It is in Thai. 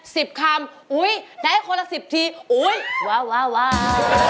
สิบคำอุ้ยได้คนละสิบทีอุ้ยว้าว้าว้าว